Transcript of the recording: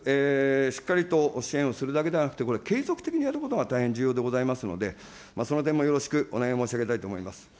しっかりと支援をするだけではなくて、これ、継続的にやることが大変重要でございますので、その点もよろしくお願いを申し上げたいと思います。